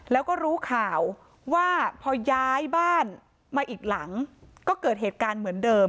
แล้วก็รู้ข่าวว่าพอย้ายบ้านมาอีกหลังก็เกิดเหตุการณ์เหมือนเดิม